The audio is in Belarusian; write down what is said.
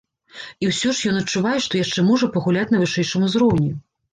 І ўсё ж ён адчувае, што яшчэ можа пагуляць на вышэйшым узроўні.